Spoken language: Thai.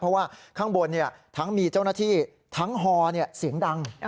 เพราะว่าข้างบนทั้งมีเจ้าหน้าที่ทั้งฮอเสียงดัง